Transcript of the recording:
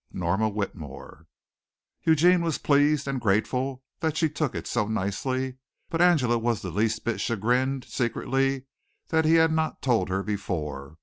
"Norma Whitmore." Eugene was pleased and grateful that she took it so nicely, but Angela was the least big chagrined secretly that he had not told her before.